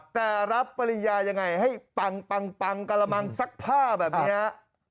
แต่รับปริญญายังไงให้ปังปังกระมังซักผ้าแบบนี้ฮะ